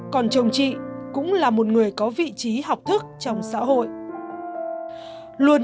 còn chồng chị cũng là một người